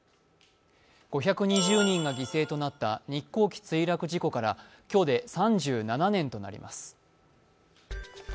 ５２０人が犠牲となった日航機墜落事故から今日で３７年となります。